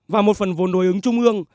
và một phần vốn đối ứng trung ương